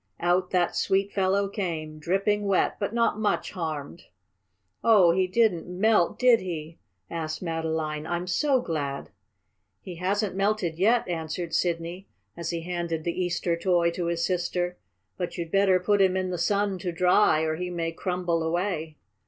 Out that sweet fellow came, dripping wet, but not much harmed. "Oh, he didn't melt, did he?" asked Madeline. "I'm so glad!" "He hasn't melted yet," answered Sidney, as he handed the Easter toy to his sister. "But you'd better put him in the sun to dry, or he may crumble away."